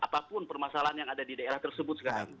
apapun permasalahan yang ada di daerah tersebut sekarang